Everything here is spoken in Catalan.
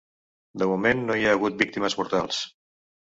De moment no hi ha hagut víctimes mortals.